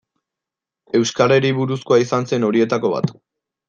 Euskarari buruzkoa izan zen horietako bat.